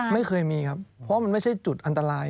ไม่เคยมีครับเพราะมันไม่ใช่จุดอันตราย